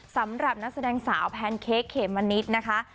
สำหรับนักแสดงสาวแพนเค้กเขมมะนิดนะคะ